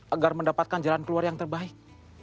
agar mendapatkan jalan keluar yang terbaik